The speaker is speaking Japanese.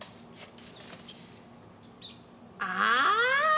ああ！